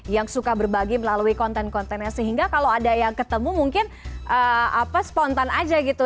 yang suka berbagi melalui konten kontennya sehingga kalau ada yang ketemu mungkin spontan aja gitu